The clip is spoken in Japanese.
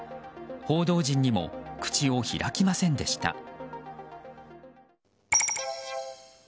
報道陣にも口を開きませんでした